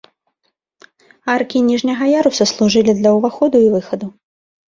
Аркі ніжняга яруса служылі для ўваходу і выхаду.